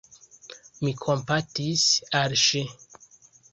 Mi kompatis al ŝi.